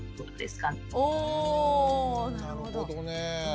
なるほどねえ。